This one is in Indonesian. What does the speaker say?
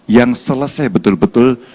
yang selesai betul betul